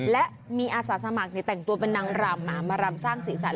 และมีอาสาสมัครแต่งตัวเป็นนางรำมามารำสร้างสีสัน